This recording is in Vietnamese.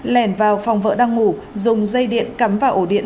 lẻn vào phòng vợ đang ngủ dùng dây điện cắm vào ổ điện